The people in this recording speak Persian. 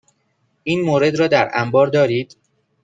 این مورد را در انبار دارید؟